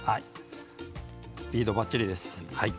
スピードばっちりです。